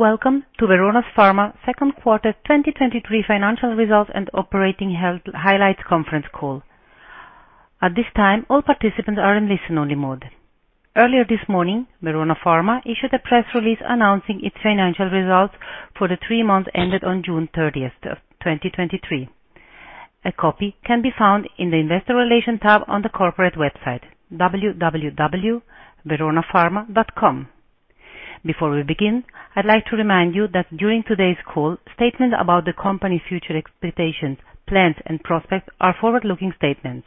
Welcome to Verona Pharma Second Quarter 2023 Financial Results and Operating Highlights Conference Call. At this time, all participants are in listen-only mode. Earlier this morning, Verona Pharma issued a press release announcing its financial results for the 3 months ended on June 30, 2023. A copy can be found in the Investor Relations tab on the corporate website, www.veronapharma.com. Before we begin, I'd like to remind you that during today's call, statements about the company's future expectations, plans, and prospects are forward-looking statements.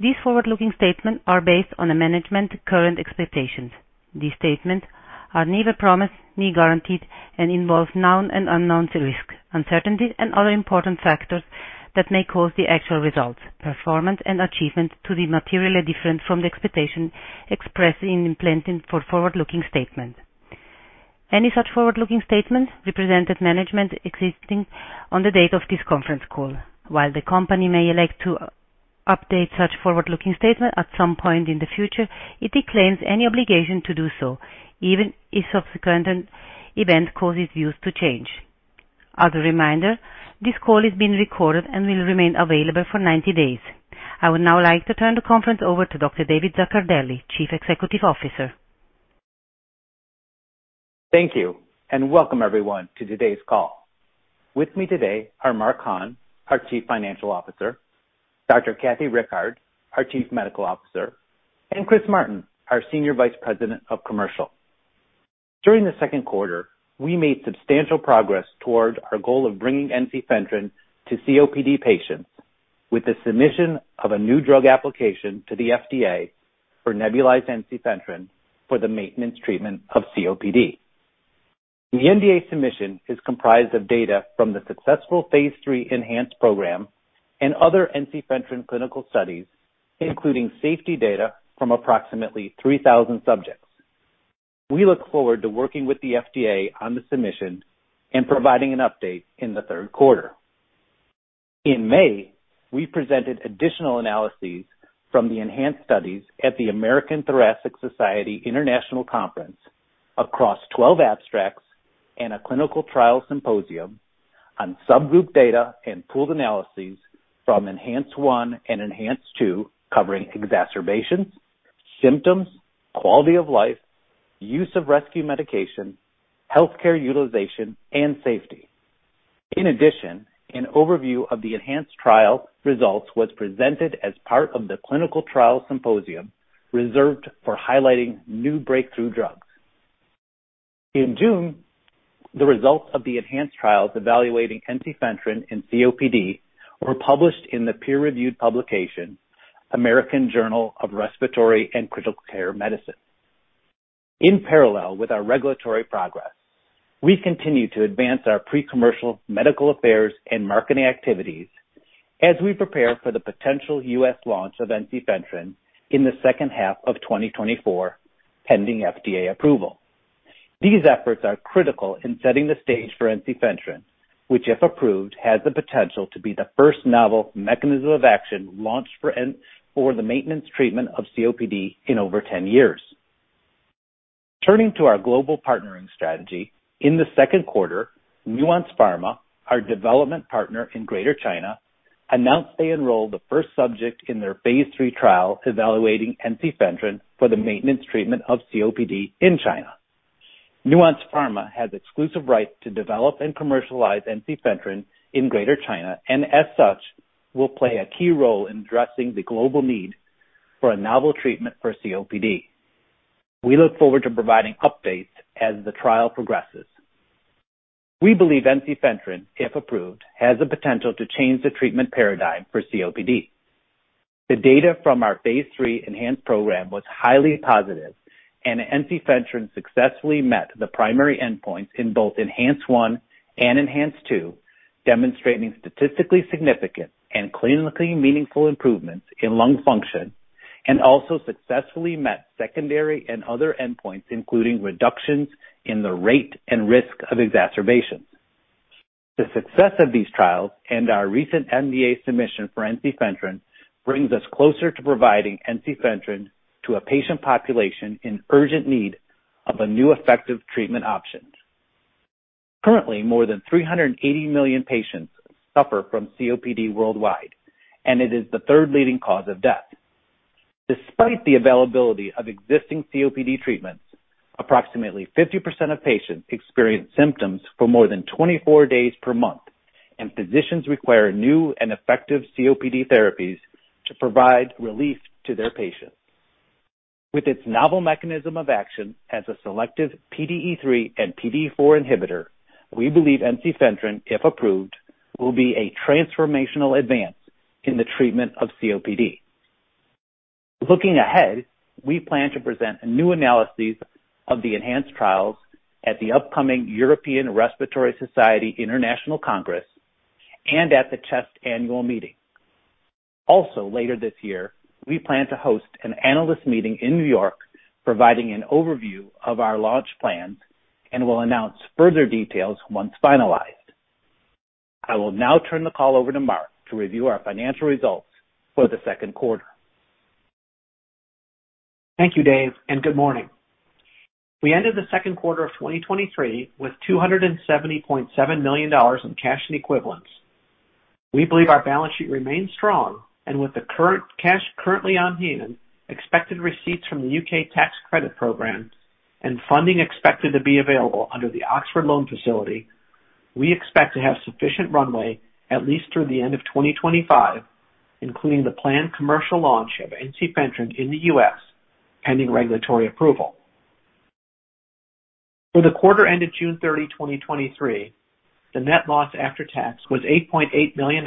These forward-looking statements are based on the management's current expectations. These statements are neither promise, nor guaranteed, and involves known and unknown risks, uncertainties, and other important factors that may cause the actual results, performance and achievements to be materially different from the expectations expressed in implementing for forward-looking statement. Any such forward-looking statements represent that management existing on the date of this conference call. While the company may elect to update such forward-looking statements at some point in the future, it declines any obligation to do so, even if subsequent event causes views to change. As a reminder, this call is being recorded and will remain available for 90 days. I would now like to turn the conference over to Dr. David Zaccardelli, Chief Executive Officer. Thank you. Welcome everyone to today's call. With me today are Mark Hahn, our Chief Financial Officer, Dr. Kathleen Rickard, our Chief Medical Officer, and Chris Martin, our Senior Vice President of Commercial. During the second quarter, we made substantial progress toward our goal of bringing ensifentrine to COPD patients with the submission of a new drug application to the FDA for nebulized ensifentrine for the maintenance treatment of COPD. The NDA submission is comprised of data from the successful phase 3 ENHANCE program and other ensifentrine clinical studies, including safety data from approximately 3,000 subjects. We look forward to working with the FDA on the submission and providing an update in the third quarter. In May, we presented additional analyses from the ENHANCE studies at the American Thoracic Society International Conference across 12 abstracts and a clinical trial symposium on subgroup data and pooled analyses from ENHANCE-1 and ENHANCE-2, covering exacerbations, symptoms, quality of life, use of rescue medication, healthcare utilization, and safety. In addition, an overview of the ENHANCE trial results was presented as part of the clinical trial symposium, reserved for highlighting new breakthrough drugs. In June, the results of the ENHANCE trials evaluating ensifentrine in COPD were published in the peer-reviewed publication American Journal of Respiratory and Critical Care Medicine. In parallel with our regulatory progress, we continue to advance our pre-commercial medical affairs and marketing activities as we prepare for the potential U.S. launch of ensifentrine in the second half of 2024, pending FDA approval. These efforts are critical in setting the stage for ensifentrine, which, if approved, has the potential to be the first novel mechanism of action launched for for the maintenance treatment of COPD in over 10 years. Turning to our global partnering strategy, in the second quarter, Nuance Pharma, our development partner in Greater China, announced they enrolled the first subject in their phase 3 trial evaluating ensifentrine for the maintenance treatment of COPD in China. Nuance Pharma has exclusive right to develop and commercialize ensifentrine in Greater China, as such, will play a key role in addressing the global need for a novel treatment for COPD. We look forward to providing updates as the trial progresses. We believe ensifentrine, if approved, has the potential to change the treatment paradigm for COPD. The data from our Phase 3 ENHANCE program was highly positive. Ensifentrine successfully met the primary endpoints in both ENHANCE-1 and ENHANCE-2, demonstrating statistically significant and clinically meaningful improvements in lung function, and also successfully met secondary and other endpoints, including reductions in the rate and risk of exacerbation. The success of these trials and our recent NDA submission for ensifentrine brings us closer to providing ensifentrine to a patient population in urgent need of a new effective treatment option. Currently, more than 380 million patients suffer from COPD worldwide, and it is the third leading cause of death. Despite the availability of existing COPD treatments, approximately 50% of patients experience symptoms for more than 24 days per month, and physicians require new and effective COPD therapies to provide relief to their patients. With its novel mechanism of action as a selective PDE3 and PDE4 inhibitor, we believe ensifentrine, if approved, will be a transformational advance in the treatment of COPD. Looking ahead, we plan to present a new analysis of the ENHANCE trials at the upcoming European Respiratory Society International Congress and at the CHEST Annual Meeting. Also, later this year, we plan to host an analyst meeting in New York, providing an overview of our launch plans, and will announce further details once finalized. I will now turn the call over to Mark to review our financial results for the second quarter. Thank you, Dave, and good morning. We ended the second quarter of 2023 with $270.7 million in cash and equivalents. We believe our balance sheet remains strong and with the cash currently on hand, expected receipts from the U.K. tax credit program and funding expected to be available under the Oxford loan facility, we expect to have sufficient runway at least through the end of 2025, including the planned commercial launch of ensifentrine in the U.S., pending regulatory approval. For the quarter ended June 30, 2023, the net loss after tax was $8.8 million,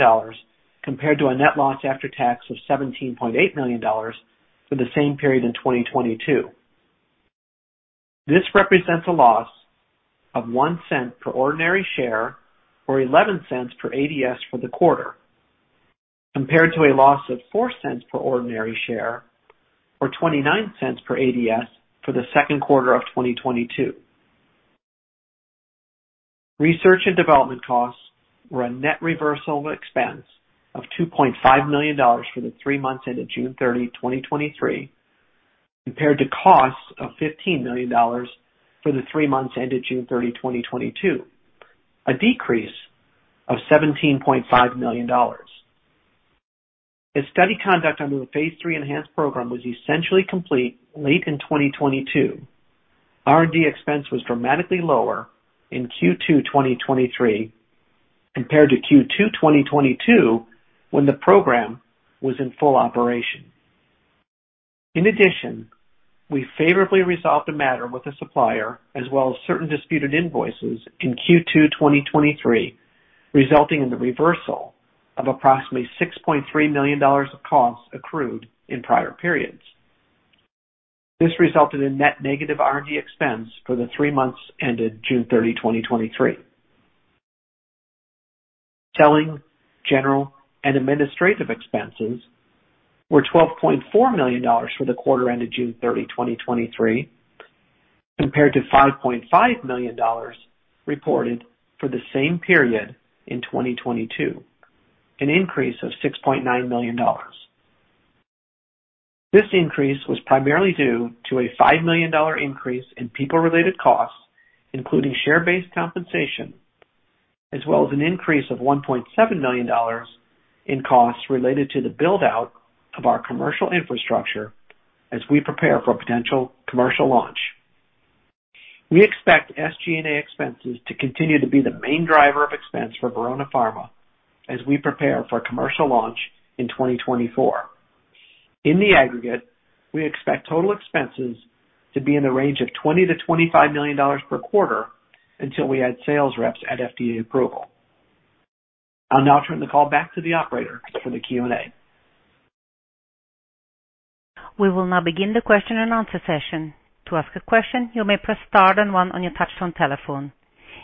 compared to a net loss after tax of $17.8 million for the same period in 2022. This represents a loss of $0.01 per ordinary share or $0.11 per ADS for the quarter, compared to a loss of $0.04 per ordinary share or $0.29 per ADS for the second quarter of 2022. Research and development costs were a net reversal of expense of $2.5 million for the 3 months ended June 30, 2023, compared to costs of $15 million for the 3 months ended June 30, 2022, a decrease of $17.5 million. As study conduct under the Phase 3 ENHANCE program was essentially complete late in 2022, R&D expense was dramatically lower in Q2 2023 compared to Q2 2022, when the program was in full operation. In addition, we favorably resolved a matter with a supplier as well as certain disputed invoices in Q2 2023, resulting in the reversal of approximately $6.3 million of costs accrued in prior periods. This resulted in net negative R&D expense for the 3 months ended June 30, 2023. Selling, General and Administrative expenses were $12.4 million for the quarter ended June 30, 2023, compared to $5.5 million reported for the same period in 2022, an increase of $6.9 million. This increase was primarily due to a $5 million increase in people-related costs, including share-based compensation, as well as an increase of $1.7 million in costs related to the build-out of our commercial infrastructure as we prepare for a potential commercial launch. We expect SG&A expenses to continue to be the main driver of expense for Verona Pharma as we prepare for a commercial launch in 2024. In the aggregate, we expect total expenses to be in the range of $20 million to $25 million per quarter until we add sales reps at FDA approval. I'll now turn the call back to the operator for the Q&A. We will now begin the question and answer session. To ask a question, you may press star then 1 on your touchtone telephone.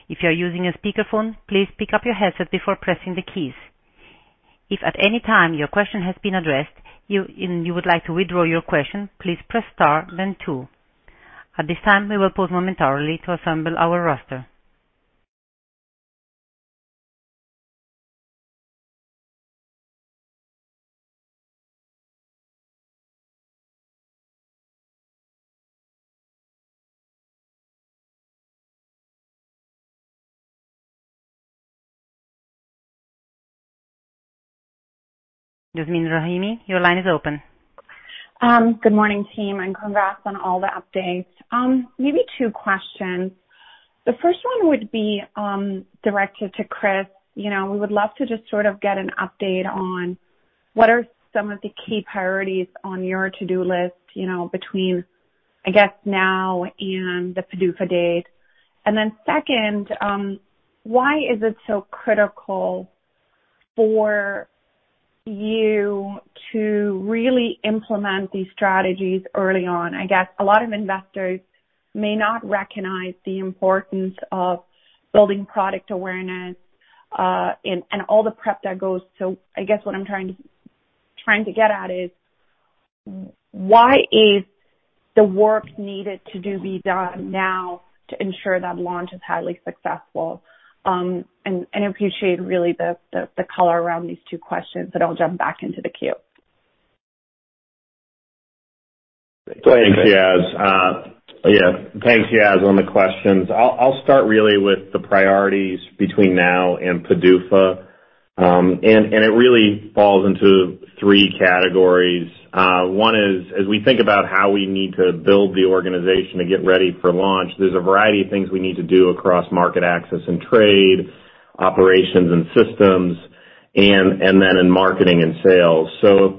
If you are using a speakerphone, please pick up your headset before pressing the keys. If at any time your question has been addressed, and you would like to withdraw your question, please press star then 2. At this time, we will pause momentarily to assemble our roster. Yasmeen Rahimi, your line is open. Good morning, team, congrats on all the updates. Maybe two questions. The first one would be directed to Chris. You know, we would love to just sort of get an update on what are some of the key priorities on your to-do list, you know, between, I guess, now and the PDUFA date. Second, why is it so critical for you to really implement these strategies early on? I guess a lot of investors may not recognize the importance of building product awareness, and all the prep that goes. I guess what I'm trying to, trying to get at is why is the work needed to do be done now to ensure that launch is highly successful? I appreciate really the, the, the color around these two questions, but I'll jump back into the queue. Go ahead. Thanks, Yas. Yeah, thanks, Yas, on the questions. I'll start really with the priorities between now and PDUFA. It really falls into 3 categories. 1 is, as we think about how we need to build the organization to get ready for launch, there's a variety of things we need to do across market access and trade, operations and systems, and then in marketing and sales.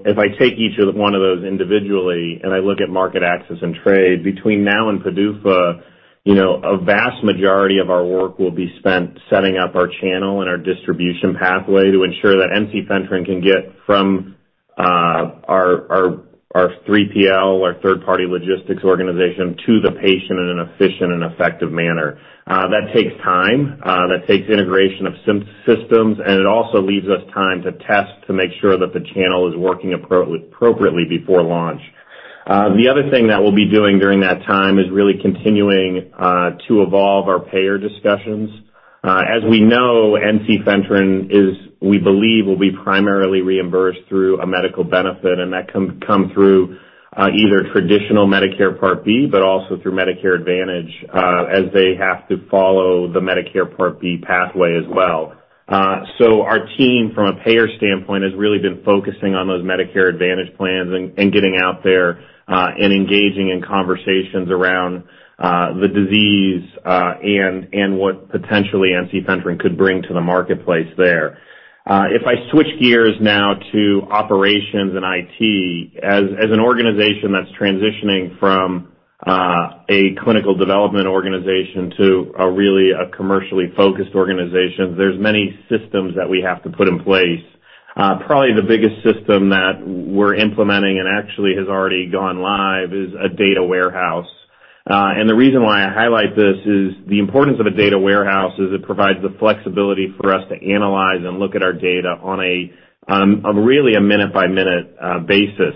If I take each of 1 of those individually, and I look at market access and trade between now and PDUFA, you know, a vast majority of our work will be spent setting up our channel and our distribution pathway to ensure that ensifentrine can get from our 3PL, our third-party logistics organization, to the patient in an efficient and effective manner. That takes time. That takes integration of systems, and it also leaves us time to test to make sure that the channel is working appropriately before launch. The other thing that we'll be doing during that time is really continuing to evolve our payer discussions. As we know, ensifentrine is, we believe, will be primarily reimbursed through a medical benefit, and that can come through either traditional Medicare Part B, but also through Medicare Advantage, as they have to follow the Medicare Part B pathway as well. So our team, from a payer standpoint, has really been focusing on those Medicare Advantage plans and, and getting out there and engaging in conversations around the disease and, and what potentially ensifentrine could bring to the marketplace there. If I switch gears now to operations and IT. As, as an organization that's transitioning from, a clinical development organization to a really, a commercially focused organization, there's many systems that we have to put in place. Probably the biggest system that we're implementing, and actually has already gone live, is a data warehouse. The reason why I highlight this is, the importance of a data warehouse is it provides the flexibility for us to analyze and look at our data on a, on really a minute-by-minute, basis.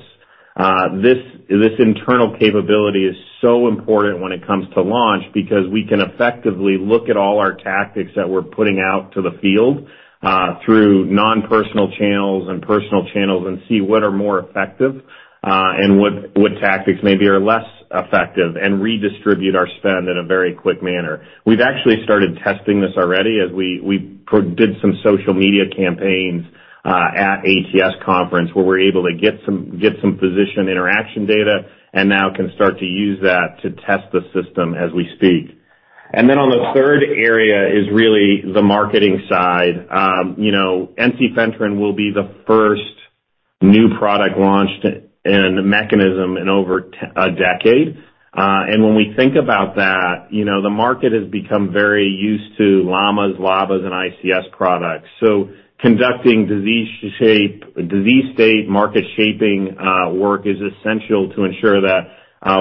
This, this internal capability is so important when it comes to launch, because we can effectively look at all our tactics that we're putting out to the field, through non-personal channels and personal channels, and see what are more effective, and what, what tactics maybe are less effective, and redistribute our spend in a very quick manner. We've actually started testing this already as we, we did some social media campaigns at ATS, where we're able to get some, get some physician interaction data, and now can start to use that to test the system as we speak. On the third area is really the marketing side. You know, ensifentrine will be the first new product launched in a mechanism in over 10 years. When we think about that, you know, the market has become very used to LAMAs, LABAs, and ICS products. Conducting disease state market shaping work is essential to ensure that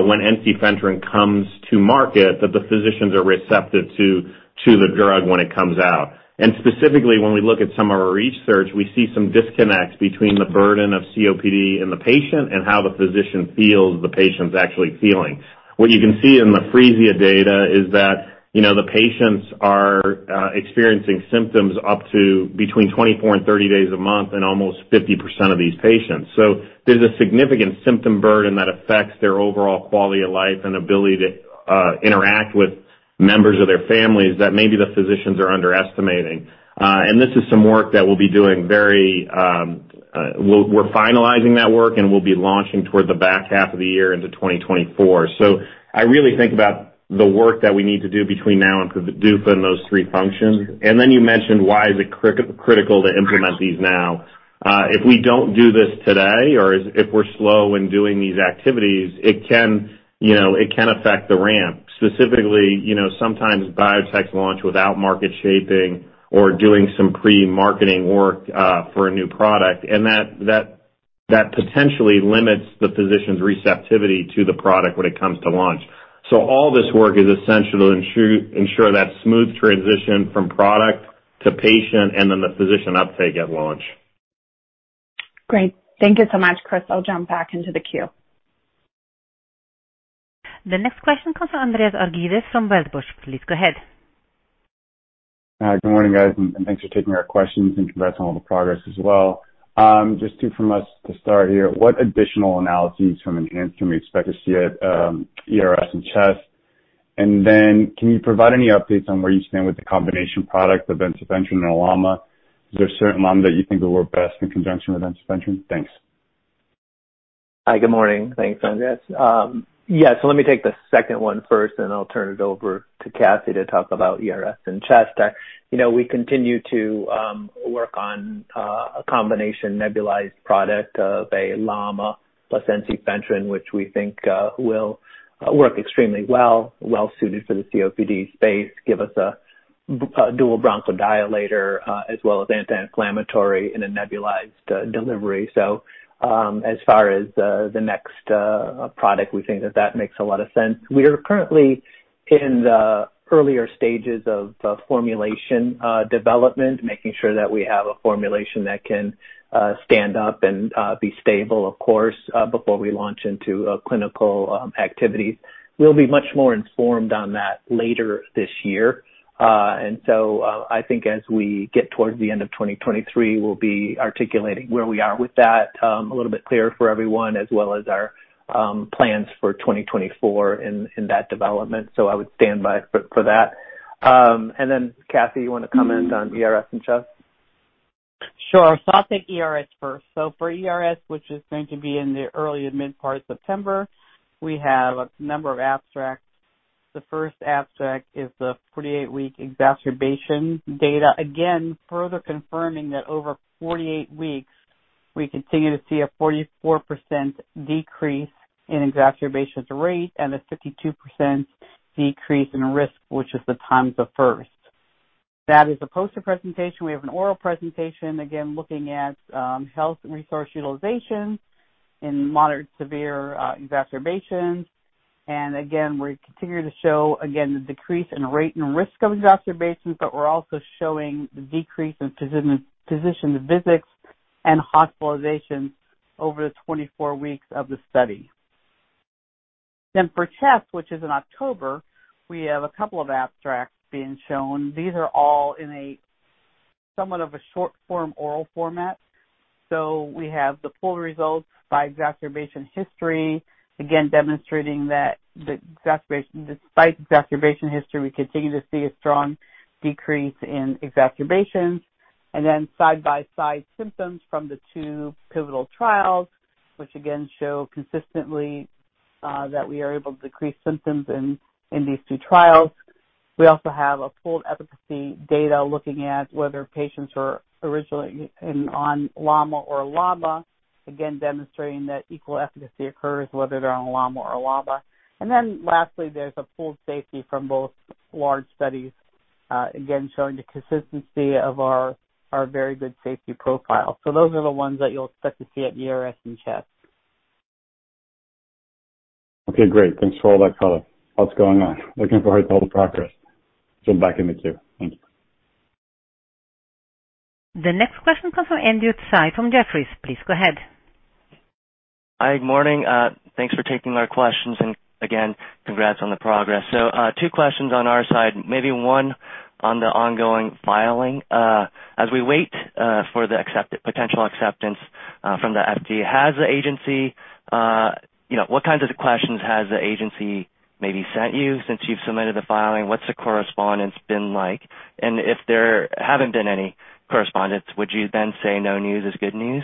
when ensifentrine comes to market, that the physicians are receptive to the drug when it comes out. Specifically, when we look at some of our research, we see some disconnects between the burden of COPD in the patient and how the physician feels the patient's actually feeling. What you can see in the Phreesia data is that, you know, the patients are experiencing symptoms up to between 24 and 30 days a month in almost 50% of these patients. There's a significant symptom burden that affects their overall quality of life and ability to interact with members of their families, that maybe the physicians are underestimating. This is some work that we'll be doing very, we're finalizing that work, and we'll be launching toward the back half of the year into 2024. I really think about the work that we need to do between now and PDUFA in those three functions. Then you mentioned, why is it critical to implement these now? If we don't do this today or if we're slow in doing these activities, it can, you know, it can affect the ramp. Specifically, you know, sometimes biotechs launch without market shaping or doing some pre-marketing work for a new product, and that potentially limits the physician's receptivity to the product when it comes to launch. All this work is essential to ensure, ensure that smooth transition from product to patient and then the physician uptake at launch. Great. Thank you so much, Chris. I'll jump back into the queue. The next question comes from Andreas Argyrides from Wedbush. Please go ahead. Good morning, guys, and thanks for taking our questions, and congrats on all the progress as well. Just two from us to start here: What additional analyses from ENHANCE can we expect to see at ERS and CHEST? Then, can you provide any updates on where you stand with the combination product of ensifentrine and a LAMA? Is there a certain LAMA that you think will work best in conjunction with ensifentrine? Thanks. Hi, good morning. Thanks, Andreas. Yeah, so let me take the second one first, and I'll turn it over to Kathy to talk about ERS and CHEST. You know, we continue to work on a combination nebulized product of a LAMA plus ensifentrine, which we think will work extremely well, well suited for the COPD space, give us a dual bronchodilator, as well as anti-inflammatory in a nebulized delivery. As far as the next product, we think that that makes a lot of sense. We are currently in the earlier stages of the formulation development, making sure that we have a formulation that can stand up and be stable, of course, before we launch into clinical activities. We'll be much more informed on that later this year, so, I think as we get towards the end of 2023, we'll be articulating where we are with that, a little bit clearer for everyone, as well as our plans for 2024 in, in that development, so I would stand by for, for that. Then, Kathy, you want to comment on ERS and CHEST? Sure. I'll take ERS first. For ERS, which is going to be in the early to mid part of September, we have a number of abstracts. The first abstract is the 48-week exacerbation data. Again, further confirming that over 48 weeks, we continue to see a 44% decrease in exacerbations rate and a 52% decrease in risk, which is the time to first. That is a poster presentation. We have an oral presentation, again, looking at health and resource utilization in moderate-to-severe exacerbations. Again, we continue to show, again, the decrease in rate and risk of exacerbations, but we're also showing the decrease in physician, physician visits and hospitalizations over the 24 weeks of the study. For CHEST, which is in October, we have a couple of abstracts being shown. These are all in a somewhat of a short form oral format. We have the full results by exacerbation history, again, demonstrating that the exacerbation-- despite exacerbation history, we continue to see a strong decrease in exacerbations. Then side-by-side symptoms from the two pivotal trials, which again show consistently that we are able to decrease symptoms in, in these two trials. We also have a full efficacy data looking at whether patients were originally in, on LAMA or LABA, again, demonstrating that equal efficacy occurs whether they're on LAMA or LABA. Lastly, there's a full safety from both large studies, again, showing the consistency of our, our very good safety profile. Those are the ones that you'll expect to see at ERS and CHEST. Okay, great. Thanks for all that color. What's going on? Looking forward to all the progress. Jump back in the queue. Thank you. The next question comes from Andrew Tsai from Jefferies. Please go ahead. Hi, good morning. Thanks for taking our questions, and again, congrats on the progress. Two questions on our side. Maybe one on the ongoing filing. As we wait for the potential acceptance from the FDA, has the agency, you know, what kinds of questions has the agency maybe sent you since you've submitted the filing? What's the correspondence been like? If there haven't been any correspondence, would you then say, "No news is good news?"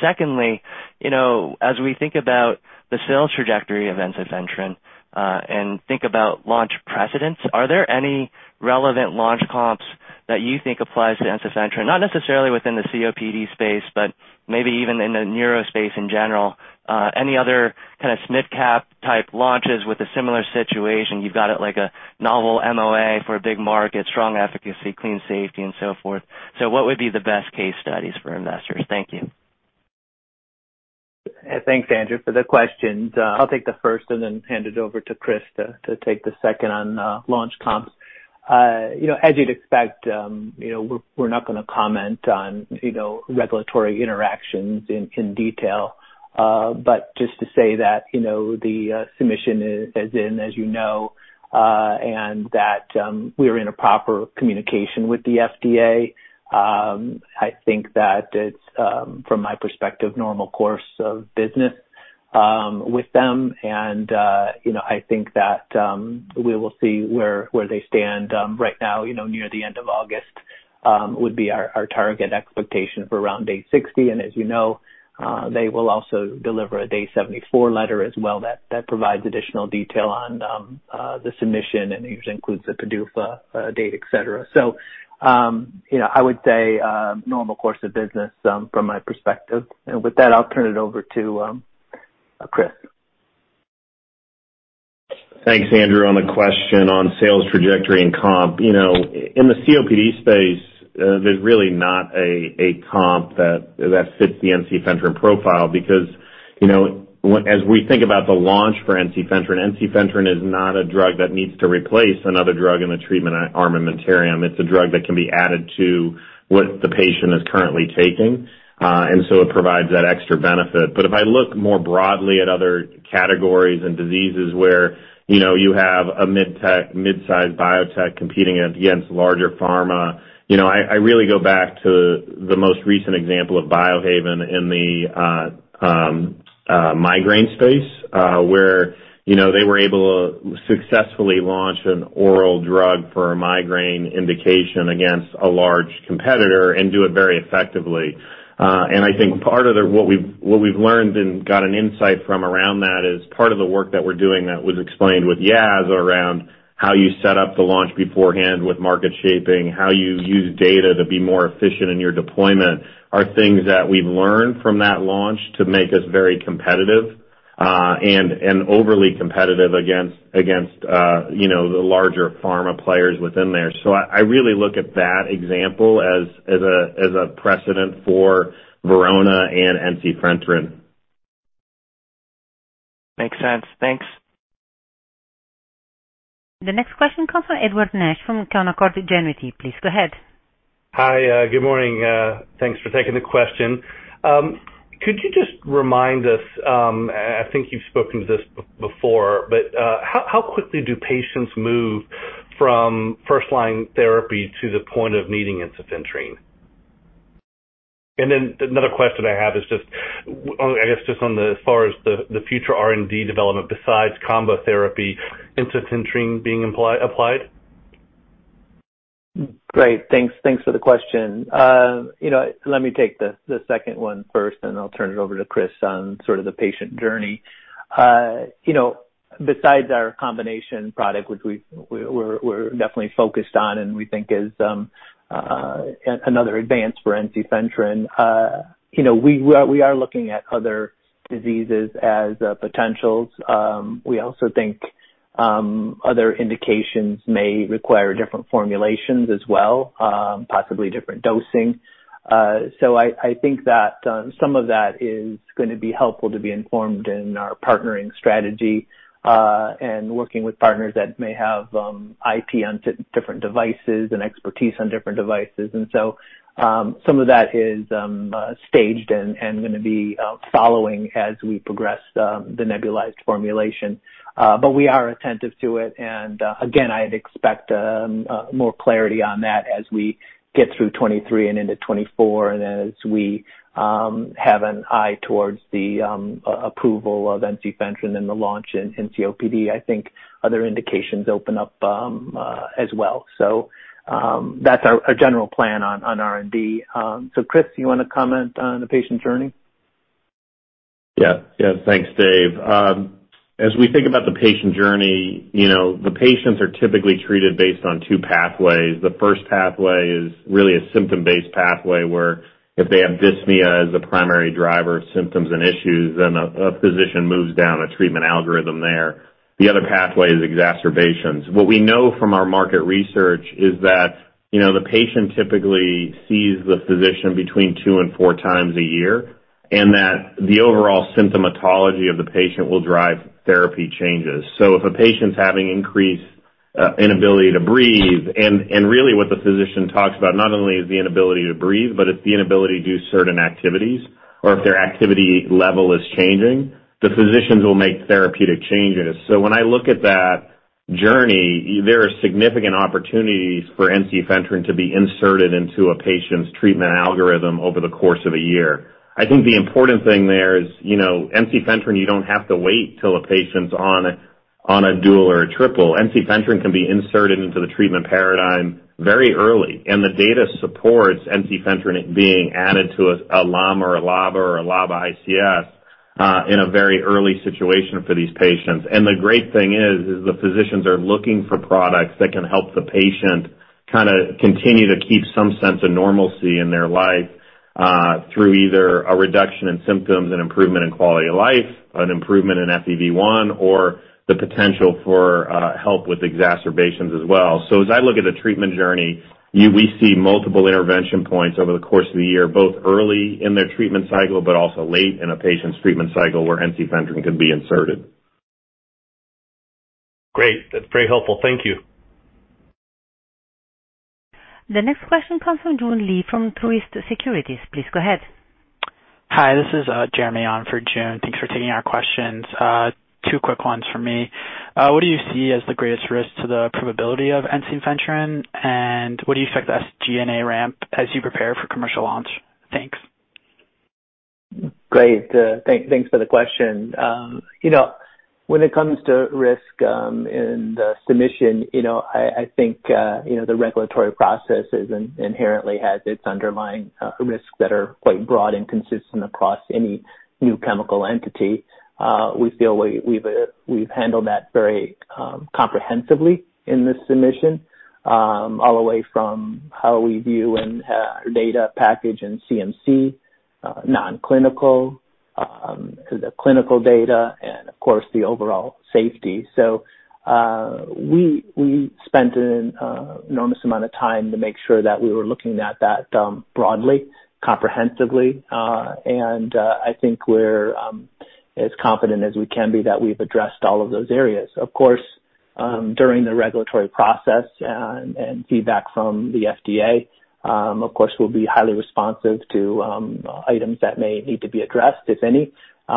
Secondly, you know, as we think about the sales trajectory of ensifentrine and think about launch precedents, are there any relevant launch comps that you think applies to ensifentrine? Not necessarily within the COPD space, but maybe even in the neuro space in general. Any other kind of mid-cap type launches with a similar situation? You've got it like a novel MOA for a big market, strong efficacy, clean safety, and so forth. What would be the best case studies for investors? Thank you. Thanks, Andrew, for the questions. I'll take the first and then hand it over to Chris to take the second on launch comps. You know, as you'd expect, you know, we're not gonna comment on, you know, regulatory interactions in detail. Just to say that, you know, the submission is in, as you know, and that we're in a proper communication with the FDA. I think that it's from my perspective, normal course of business with them. You know, I think that we will see where they stand right now, you know, near the end of August, would be our target expectation for around day 60. As you know, they will also deliver a day 74 letter as well, that, that provides additional detail on the submission, and usually includes the PDUFA date, et cetera. You know, I would say, normal course of business, from my perspective. With that, I'll turn it over to Chris. Thanks, Andrew. On the question on sales trajectory and comp, you know, in the COPD space, there's really not a, a comp that, that fits the ensifentrine profile because, you know, as we think about the launch for ensifentrine, ensifentrine is not a drug that needs to replace another drug in the treatment armamentarium. It's a drug that can be added to what the patient is currently taking, so it provides that extra benefit. If I look more broadly at other categories and diseases where, you know, you have a mid tech, mid-sized biotech competing against larger pharma, you know, I, I really go back to the most recent example of Biohaven in the migraine space, where, you know, they were able to successfully launch an oral drug for a migraine indication against a large competitor and do it very effectively. I think what we've, what we've learned and got an insight from around that is part of the work that we're doing that was explained with Yas, around how you set up the launch beforehand with market shaping. How you use data to be more efficient in your deployment, are things that we've learned from that launch to make us very competitive, and, and overly competitive against, against, you know, the larger pharma players within there. So I, I really look at that example as, as a, as a precedent for Verona and ensifentrine. Makes sense. Thanks. The next question comes from Edward Nash from Canaccord Genuity. Please go ahead. Hi, good morning, thanks for taking the question. Could you just remind us, I, I think you've spoken to this before, but how, how quickly do patients move from first-line therapy to the point of needing ensifentrine? Then another question I have is just, I guess, just on the as far as the, the future R&D development besides combo therapy, ensifentrine being applied. Great. Thanks. Thanks for the question. You know, let me take the, the second one first, and I'll turn it over to Chris on sort of the patient journey. You know, besides our combination product, which we, we're, we're definitely focused on and we think is, another advance for ensifentrine, you know, we are looking at other diseases as potentials. We also think- Other indications may require different formulations as well, possibly different dosing. I think that some of that is going to be helpful to be informed in our partnering strategy, and working with partners that may have IP on different devices and expertise on different devices. Some of that is staged and going to be following as we progress the nebulized formulation. We are attentive to it, and again, I'd expect more clarity on that as we get through 2023 and into 2024, and as we have an eye towards the approval of ensifentrine and the launch in COPD. I think other indications open up as well. That's our general plan on R&D. Chris, you wanna comment on the patient journey? Yeah. Yeah, thanks, Dave. As we think about the patient journey, you know, the patients are typically treated based on two pathways. The first pathway is really a symptom-based pathway, where if they have dyspnea as a primary driver of symptoms and issues, then a physician moves down a treatment algorithm there. The other pathway is exacerbations. What we know from our market research is that, you know, the patient typically sees the physician between two and four times a year, and that the overall symptomatology of the patient will drive therapy changes. If a patient's having increased inability to breathe, and really what the physician talks about not only is the inability to breathe, but it's the inability to do certain activities, or if their activity level is changing, the physicians will make therapeutic changes. When I look at that journey, there are significant opportunities for ensifentrine to be inserted into a patient's treatment algorithm over the course of a year. I think the important thing there is, you know, ensifentrine, you don't have to wait till a patient's on a dual or a triple. Ensifentrine can be inserted into the treatment paradigm very early, the data supports ensifentrine being added to a LAMA or a LABA or a LABA/ICS in a very early situation for these patients. The great thing is, is the physicians are looking for products that can help the patient kinda continue to keep some sense of normalcy in their life through either a reduction in symptoms, an improvement in quality of life, an improvement in FEV1, or the potential for help with exacerbations as well. As I look at a treatment journey, we see multiple intervention points over the course of the year, both early in their treatment cycle, but also late in a patient's treatment cycle, where ensifentrine can be inserted. Great. That's very helpful. Thank you. The next question comes from Joon Lee from Truist Securities. Please go ahead. Hi, this is Jeremy on for Joon. Thanks for taking our questions. Two quick ones from me. What do you see as the greatest risk to the probability of ensifentrine? What do you expect as G&A ramp as you prepare for commercial launch? Thanks. Great. thank- thanks for the question. you know, when it comes to risk, in the submission, you know, I, I think, you know, the regulatory process is in- inherently has its underlying risks that are quite broad and consistent across any new chemical entity. we feel we, we've, we've handled that very comprehensively in this submission, all the way from how we view and data package and CMC, non-clinical, the clinical data, and of course, the overall safety. We, we spent an enormous amount of time to make sure that we were looking at that broadly, comprehensively, and I think we're as confident as we can be that we've addressed all of those areas. Of course, during the regulatory process and, and feedback from the FDA, of course, we'll be highly responsive to items that may need to be addressed, if any. We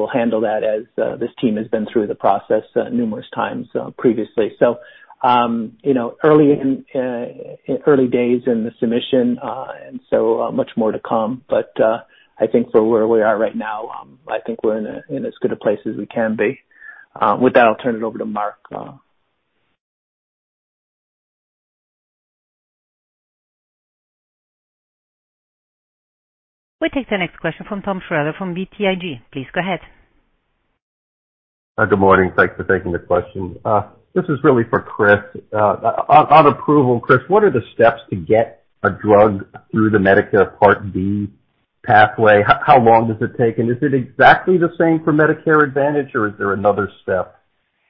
will handle that as this team has been through the process numerous times previously. You know, early in early days in the submission, and so much more to come. I think for where we are right now, I think we're in a, in as good a place as we can be. I'll turn it over to Mark. We'll take the next question from Tom Shrader from BTIG. Please go ahead. Good morning. Thanks for taking the question. This is really for Chris. On approval, Chris, what are the steps to get a drug through the Medicare Part B pathway? How long does it take? Is it exactly the same for Medicare Advantage, or is there another step?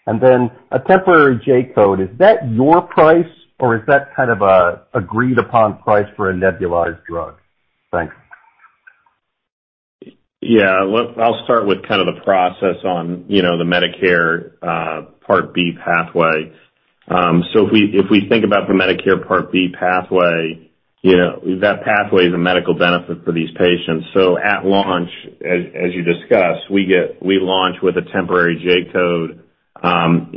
Then a temporary J-code, is that your price, or is that kind of a agreed-upon price for a nebulized drug? Thanks. Yeah, I'll start with kind of the process on, you know, the Medicare Part B pathway. If we, if we think about the Medicare Part B pathway, you know, that pathway is a medical benefit for these patients. At launch, as, as you discussed, we launch with a temporary J-code.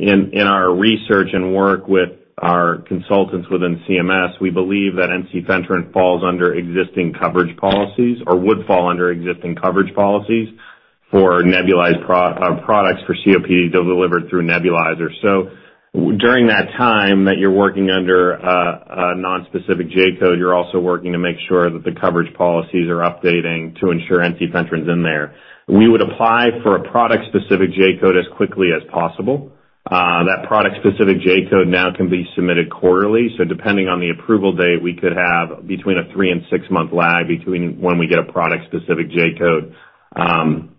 In, in our research and work with our consultants within CMS, we believe that ensifentrine falls under existing coverage policies or would fall under existing coverage policies for nebulized products for COPD delivered through nebulizers. During that time that you're working under a, a nonspecific J-code, you're also working to make sure that the coverage policies are updating to ensure ensifentrine's in there. We would apply for a product-specific J-code as quickly as possible. That product-specific J-code now can be submitted quarterly. Depending on the approval date, we could have between a 3 and 6-month lag between when we get a product-specific J-code and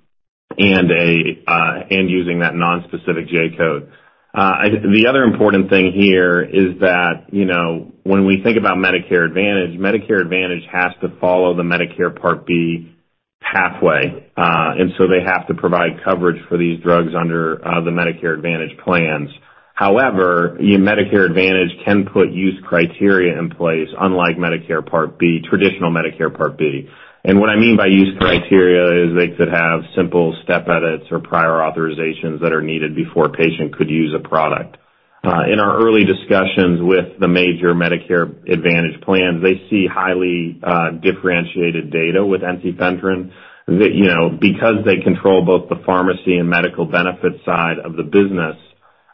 using that non-specific J-code. The other important thing here is that, you know, when we think about Medicare Advantage, Medicare Advantage has to follow the Medicare Part B pathway. They have to provide coverage for these drugs under the Medicare Advantage plans. However, Medicare Advantage can put use criteria in place, unlike Medicare Part B, traditional Medicare Part B. And what I mean by use criteria is they could have simple step edits or prior authorizations that are needed before a patient could use a product. In our early discussions with the major Medicare Advantage plans, they see highly differentiated data with ensifentrine. That, you know, because they control both the pharmacy and medical benefits side of the business,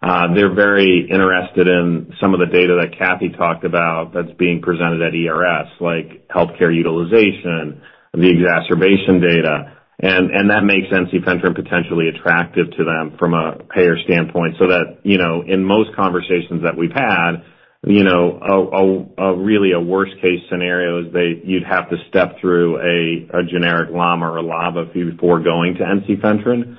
they're very interested in some of the data that Kathy talked about that's being presented at ERS, like healthcare utilization, the exacerbation data. That makes ensifentrine potentially attractive to them from a payer standpoint, so that, you know, in most conversations that we've had, you know, really a worst-case scenario is you'd have to step through a generic LAMA or a LABA before going to ensifentrine.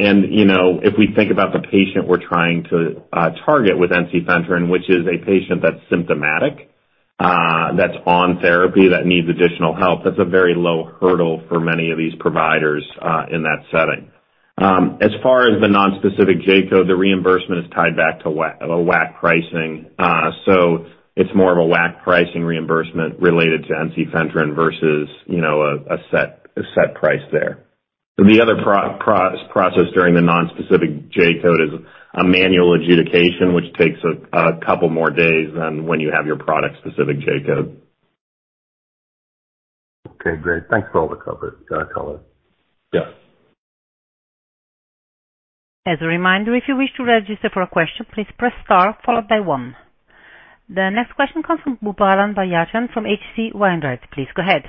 You know, if we think about the patient we're trying to target with ensifentrine, which is a patient that's symptomatic, that's on therapy, that needs additional help, that's a very low hurdle for many of these providers in that setting. As far as the nonspecific J-code, the reimbursement is tied back to the WAC pricing. It's more of a WAC pricing reimbursement related to ensifentrine versus, you know, a set price there. The other process during the nonspecific J-code is a manual adjudication, which takes a couple more days than when you have your product-specific J-code. Okay, great. Thanks for all the coverage, color. Yeah. As a reminder, if you wish to register for a question, please press Star followed by one. The next question comes from Boobalan Pachaiyappan from H.C. Wainwright. Please go ahead.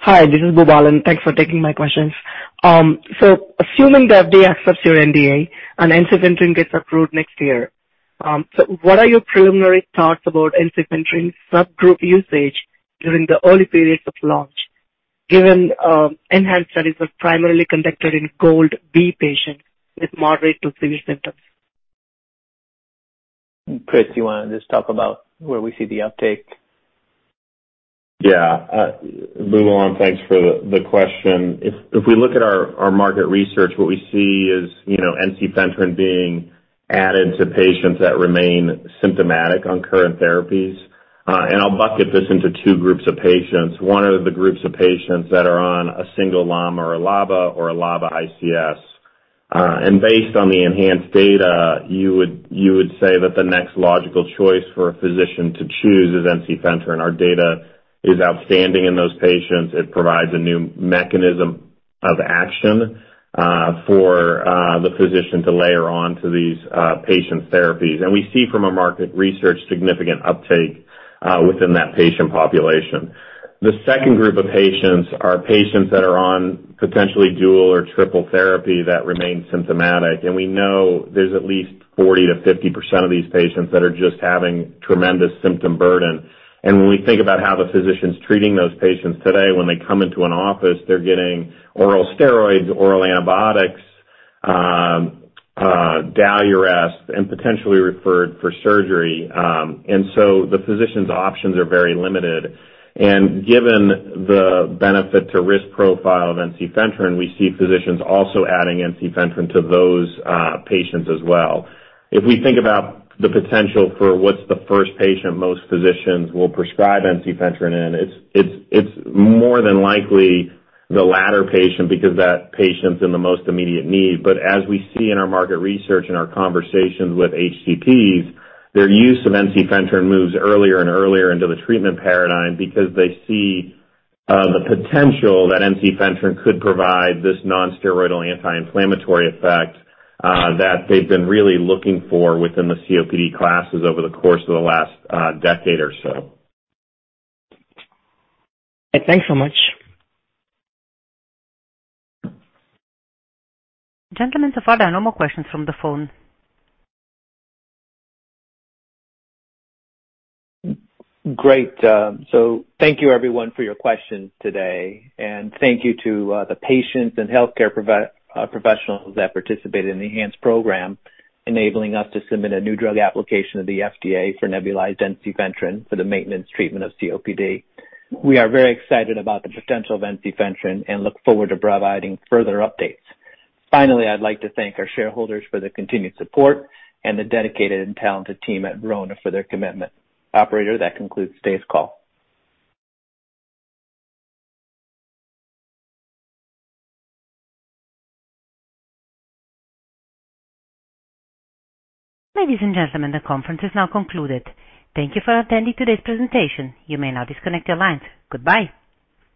Hi, this is Boobalan. Thanks for taking my questions. Assuming the FDA accepts your NDA and ensifentrine gets approved next year, so what are your preliminary thoughts about ensifentrine subgroup usage during the early periods of launch, given, ENHANCE studies were primarily conducted in GOLD B patients with moderate to severe symptoms? Chris, you wanna just talk about where we see the uptake? Yeah. Boobalan, thanks for the, the question. If, if we look at our, our market research, what we see is, you know, ensifentrine being added to patients that remain symptomatic on current therapies. I'll bucket this into two groups of patients. One are the groups of patients that are on a single LAMA or a LABA or a LABA/ICS. Based on the ENHANCE data, you would, you would say that the next logical choice for a physician to choose is ensifentrine. Our data is outstanding in those patients. It provides a new mechanism of action for the physician to layer on to these patient therapies. We see from a market research, significant uptake within that patient population. The second group of patients are patients that are on potentially dual or triple therapy that remains symptomatic, and we know there's at least 40%-50% of these patients that are just having tremendous symptom burden. When we think about how the physician's treating those patients today, when they come into an office, they're getting oral steroids, oral antibiotics, Valium rest, and potentially referred for surgery. So the physician's options are very limited. Given the benefit-to-risk profile of ensifentrine, we see physicians also adding ensifentrine to those patients as well. If we think about the potential for what's the first patient most physicians will prescribe ensifentrine in, it's, it's, it's more than likely the latter patient because that patient's in the most immediate need. As we see in our market research and our conversations with HCPs, their use of ensifentrine moves earlier and earlier into the treatment paradigm because they see the potential that ensifentrine could provide this non-steroidal anti-inflammatory effect that they've been really looking for within the COPD classes over the course of the last decade or so. Thanks so much. Gentlemen, there are no more questions from the phone. Great. Thank you, everyone, for your questions today. Thank you to the patients and healthcare professionals that participated in the ENHANCE program, enabling us to submit a new drug application to the FDA for nebulized ensifentrine for the maintenance treatment of COPD. We are very excited about the potential of ensifentrine and look forward to providing further updates. I'd like to thank our shareholders for their continued support and the dedicated and talented team at Verona for their commitment. Operator, that concludes today's call. Ladies and gentlemen, the conference is now concluded. Thank you for attending today's presentation. You may now disconnect your lines. Goodbye.